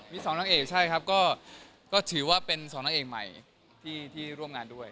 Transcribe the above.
มีสองนางเอกใช่ครับก็ถือว่าเป็นสองนางเอกใหม่ที่ร่วมงานด้วย